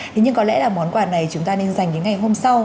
thế nhưng có lẽ là món quà này chúng ta nên dành đến ngày hôm sau